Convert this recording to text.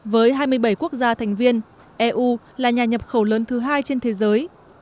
với hai mươi bảy quốc gia thành viên eu là nhà nhập khẩu lớn thứ hai trên thế giới